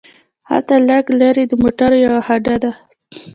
هلته لږ لرې د موټرو یوه هډه وه.